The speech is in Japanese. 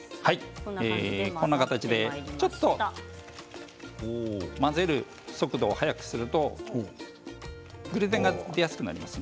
ちょっと混ぜる速度を速くするとグルテンが出やすくなります。